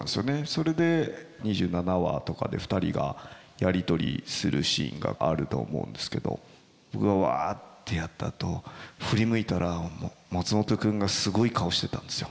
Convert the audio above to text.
それで２７話とかで２人がやり取りするシーンがあると思うんですけど僕がわあってやったあと振り向いたら松本君がすごい顔してたんですよ。